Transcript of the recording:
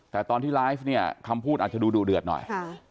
แต่ตอนที่ไลฟ์เนี่ยคำพูดอาจจะดูดูเดือดหน่อย